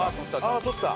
あっ取った。